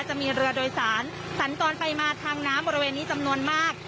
จะมีเรือโดยสารสัญจรไปมาทางน้ำบริเวณนี้จำนวนมาก